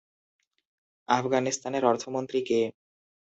আফগানিস্তানের অর্থমন্ত্রী কে?